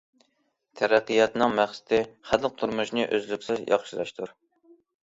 تەرەققىياتنىڭ مەقسىتى خەلق تۇرمۇشىنى ئۈزلۈكسىز ياخشىلاشتۇر.